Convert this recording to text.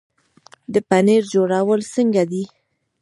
د پنیر جوړول څنګه دي؟